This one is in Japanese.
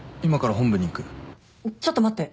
ちょっと待って。